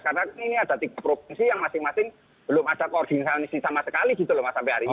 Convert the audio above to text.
karena ini ada tiga provinsi yang masing masing belum ada koordinasi sama sekali gitu loh mas sampai hari ini